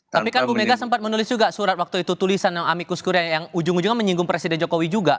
tapi kan bu mega sempat menulis juga surat waktu itu tulisan amikus kure yang ujung ujungnya menyinggung presiden jokowi juga